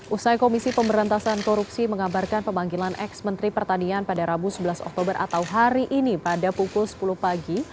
usai komisi pemberantasan korupsi mengabarkan pemanggilan ex menteri pertanian pada rabu sebelas oktober atau hari ini pada pukul sepuluh pagi